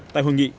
tại hội nghị